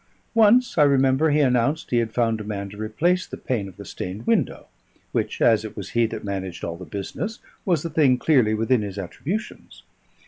Once, I remember, he announced he had found a man to replace the pane of the stained window, which, as it was he that managed all the business, was a thing clearly within his attributions.